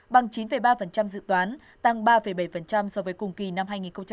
bằng chín ba dự toán tăng ba bảy so với cùng kỳ năm hai nghìn một mươi chín